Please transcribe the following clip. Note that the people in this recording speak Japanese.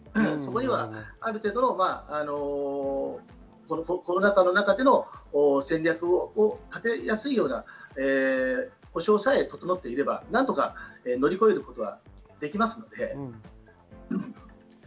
ある程度、コロナ禍の中での戦略を立てやすいような補償さえ整っていけば何とか乗り越えることができますので。